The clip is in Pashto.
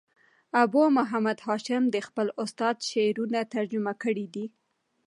ابو محمد هاشم دخپل استاد شعرونه ترجمه کړي دي.